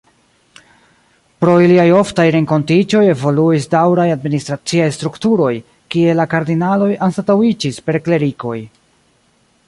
Pro iliaj oftaj renkontiĝoj evoluis daŭraj administraciaj strukturoj, kie la kardinaloj anstataŭiĝis per klerikoj.